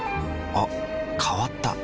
あ変わった。